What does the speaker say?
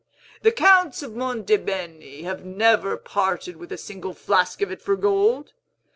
The Counts of Monte Beni have never parted with a single flask of it for gold.